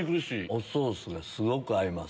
おソースがすごく合います。